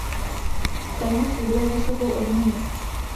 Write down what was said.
Ten mu slibuje vysokou odměnu.